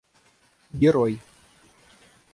герой